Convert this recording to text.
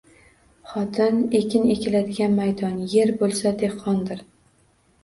Xotin ekin ekiladigan maydon, er bo‘lsa dehqondir.